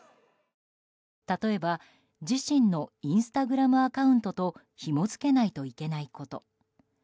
例えば、自身のインスタグラムアカウントとひも付けないといけないこと。